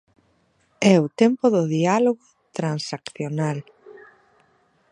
É o tempo do diálogo transaccional.